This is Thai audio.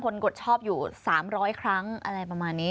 กดชอบอยู่๓๐๐ครั้งอะไรประมาณนี้